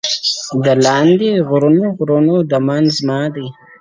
دا لالونه، غرونه، غرونه دمن زما دی!.